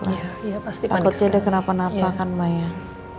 takutnya dia kenapa kenapa akan mayan